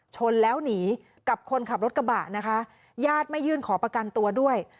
ชนแล้วหนีกับคนขับรถกระบะนะคะญาติไม่ยื่นขอประกันตัวด้วย